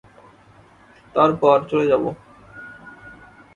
তারপর চলে যাব।